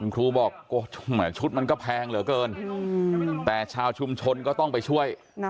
ครูบอกชุดมันก็แพงเหลือเกินแต่ชาวชุมชนก็ต้องไปช่วย